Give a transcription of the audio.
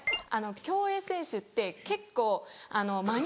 競泳選手って結構毎日。